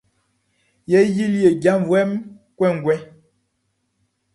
Ye yili ye jaʼnvuɛʼm kɔnguɛ.